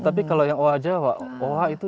tapi kalau yang oha jawa oha itu